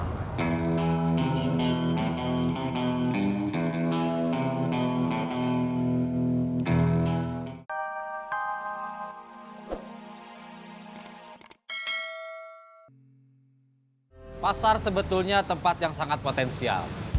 masalahnya di pasar sebetulnya tempat yang sangat potensial